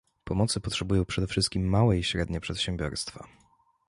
Pomocy potrzebują przede wszystkim małe i średnie przedsiębiorstwa